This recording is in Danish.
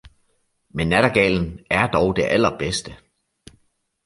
Men nattergalen er dog det allerbedste!